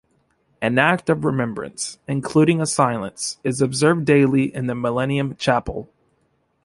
An Act of Remembrance, including a silence, is observed daily in the Millennium Chapel.